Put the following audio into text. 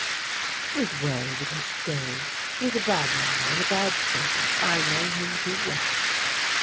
"" It is well that he should go. He is a bad man and a bad servant. I know him too well."